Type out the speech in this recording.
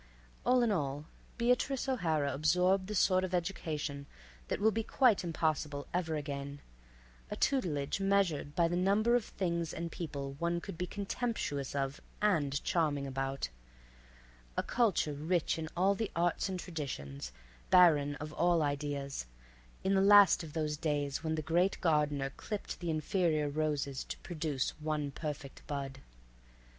All in all Beatrice O'Hara absorbed the sort of education that will be quite impossible ever again; a tutelage measured by the number of things and people one could be contemptuous of and charming about; a culture rich in all arts and traditions, barren of all ideas, in the last of those days when the great gardener clipped the inferior roses to produce one perfect bud.